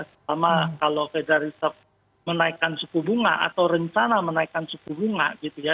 sama kalau fedariso menaikkan suku bunga atau rencana menaikkan suku bunga gitu ya